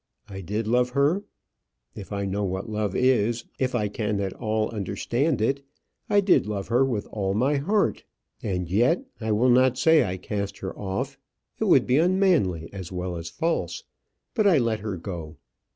I did love her. If I know what love is, if I can at all understand it, I did love her with all my heart. And yet I will not say I cast her off; it would be unmanly as well as false; but I let her go."